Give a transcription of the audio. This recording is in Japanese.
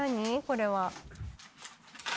これは」